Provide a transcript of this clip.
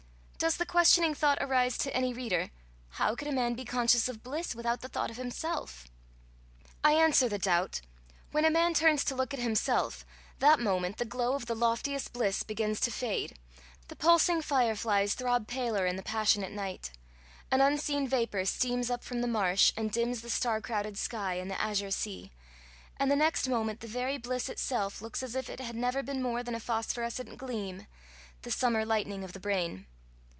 Does the questioning thought arise to my reader: How could a man be conscious of bliss without the thought of himself? I answer the doubt: When a man turns to look at himself, that moment the glow of the loftiest bliss begins to fade; the pulsing fire flies throb paler in the passionate night; an unseen vapour steams up from the marsh and dims the star crowded sky and the azure sea; and the next moment the very bliss itself looks as if it had never been more than a phosphorescent gleam the summer lightning of the brain.